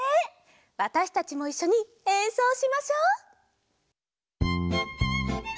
わたしたちもいっしょにえんそうしましょう！